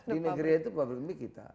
di negeri itu itu mie kita